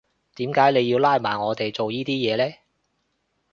點解你要拉埋我哋做依啲嘢呀？